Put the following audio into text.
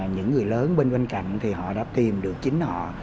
những người lớn bên bên cạnh thì họ đã tìm được chính họ